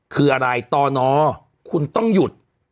คืออะไรต่อนอคุณต้องหยุด